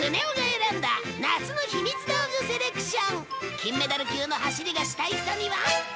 金メダル級の走りがしたい人には。